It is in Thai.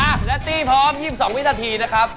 อ่ะและตีพร้อม๒๒วินาทีนะครับ